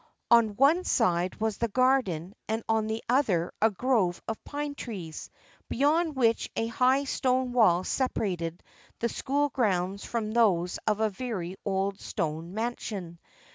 On one side was the garden and on the other a grove of pine trees, beyond which a high stone wall separated the school grounds from those of a very old stone mansion.